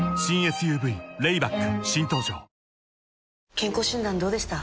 健康診断どうでした？